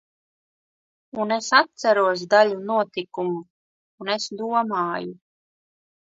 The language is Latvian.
Un es atceros daļu notikumu, un es domāju.